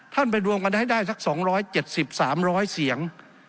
ไปรวมกันให้ได้สัก๒๗๓๐๐เสียง